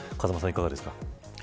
いかがですか。